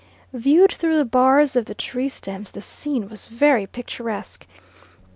Viewed through the bars of the tree stems the scene was very picturesque.